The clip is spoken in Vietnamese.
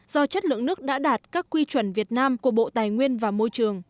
do chất lượng nước đã đạt các quy chuẩn việt nam của bộ tài nguyên và môi trường